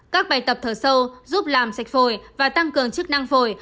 các bài tập thở sâu giúp làm sạch phổi và tăng cường chức năng phổi